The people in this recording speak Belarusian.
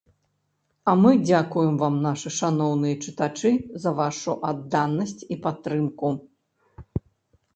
А мы дзякуем вам, нашы шаноўныя чытачы, за вашу адданасць і падтрымку.